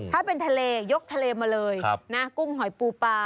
ถ้าเป็นทะเลยกทะเลมาเลยนะกุ้งหอยปูปลา